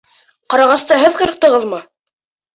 Ҡарағасты һеҙ ҡырҡтығыҙмы?